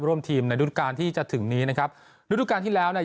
ร่วมทีมในรุ่นการที่จะถึงนี้นะครับฤดูการที่แล้วเนี่ย